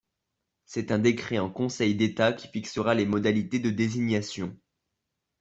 C’est un décret en Conseil d’État qui fixera les modalités de désignation.